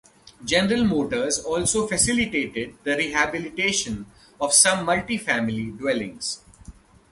General Motors also facilitated the rehabilitation of some multi-family dwellings.